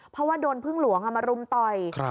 เพราะว่าโดนพึ่งหลวงมารุมต่อย